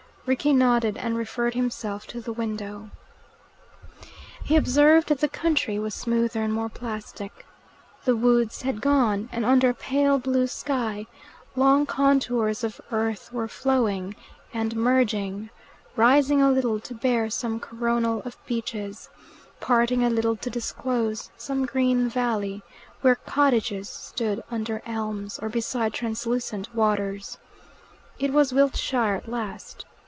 Rickie nodded, and referred himself to the window. He observed that the country was smoother and more plastic. The woods had gone, and under a pale blue sky long contours of earth were flowing, and merging, rising a little to bear some coronal of beeches, parting a little to disclose some green valley, where cottages stood under elms or beside translucent waters. It was Wiltshire at last.